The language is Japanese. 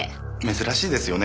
珍しいですよね